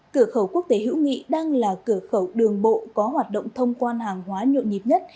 cửa khẩu quốc tế hữu nghị đang là cửa khẩu đường bộ có hoạt động thông quan hàng hóa nhộn nhịp nhất